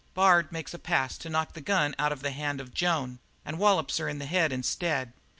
Bard makes a pass to knock the gun out of the hand of Joan and wallops her on the head instead.